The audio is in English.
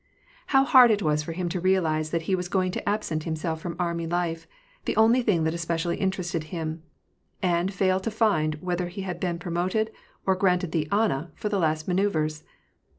How hard it was for him to realize that he was going to absent himself from army life — the only thing that especially interested him — and fail to find whether he had been pro moted, or granted the <^ Anna," for the last manoeuyres